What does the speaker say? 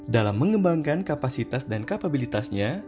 dalam mengembangkan kapasitas dan kapabilitasnya